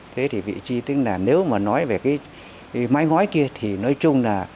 thế thì vị trí tức là nếu mà nói về cái mái ngói kia thì nói chung là